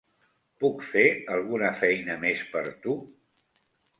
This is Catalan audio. Puc fer alguna feina més per tu?